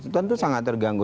tentu sangat terganggu